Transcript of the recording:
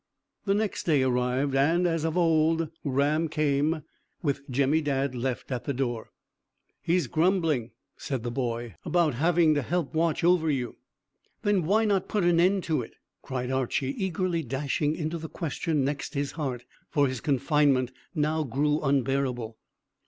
The next day arrived, and, as of old, Ram came, with Jemmy Dadd left at the door. "He's grumbling," said the boy, "about having to help watch over you." "Then why not put an end to it?" cried Archy, eagerly dashing into the question next his heart, for his confinement now grew unbearable.